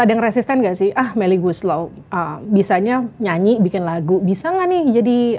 ada yang resisten gak sih ah melly guslo bisanya nyanyi bikin lagu bisa nggak nih jadi